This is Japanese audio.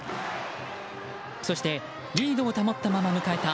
そしてリードを保ったまま迎えた